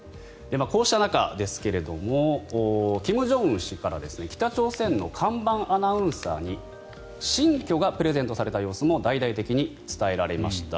こうした中ですが金正恩氏から北朝鮮の看板アナウンサーに新居がプレゼントされた様子も大々的に伝えられました。